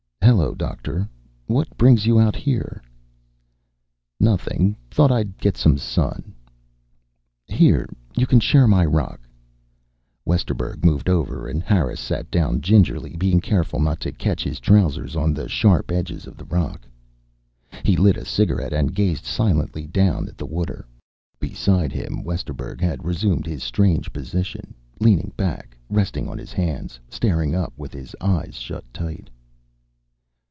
"Hello, Doctor. What brings you out here?" "Nothing. Thought I'd get some sun." "Here, you can share my rock." Westerburg moved over and Harris sat down gingerly, being careful not to catch his trousers on the sharp edges of the rock. He lit a cigarette and gazed silently down at the water. Beside him, Westerburg had resumed his strange position, leaning back, resting on his hands, staring up with his eyes shut tight.